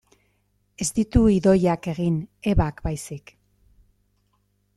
Ez ditu Idoiak egin, Ebak baizik.